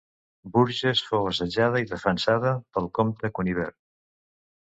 Bourges fou assetjada i defensada pel comte Cunibert.